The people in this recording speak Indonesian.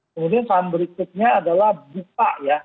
kemudian saham berikutnya adalah buka ya